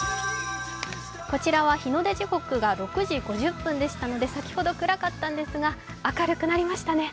こちらは日の出時刻が６時５０分でしたので先ほど、暗かったんですが明るくなりましたね。